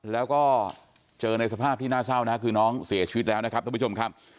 แล้วก็เจอในสภาพที่น่าเศร้านะคือน้องเสียชีวิตแล้วนะครับท่านผู้ชมครับ